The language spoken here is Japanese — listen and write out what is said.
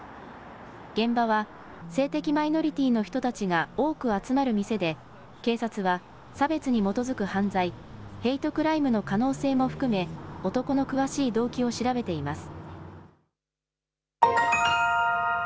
現場は性的マイノリティーの人たちが多く集まる店で警察は差別に基づく犯罪、ヘイトクライムの可能性も含め男の詳しい動機を調べています。